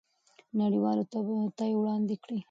نړیوالو ته یې وړاندې کړئ.